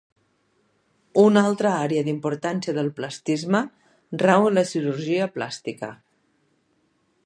Una altra àrea d'importància del platisma rau en la cirurgia plàstica.